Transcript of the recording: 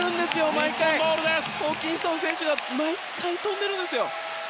毎回ホーキンソン選手は毎回跳んでいるんですよ。